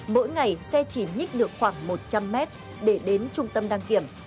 mỗi ngày xe chỉ nhích được khoảng một trăm linh mét để đến trung tâm đăng kiểm